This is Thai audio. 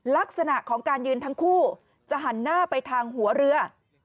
ลักษณะของการยืนทั้งคู่จะหันหน้าไปทางหัวเรือ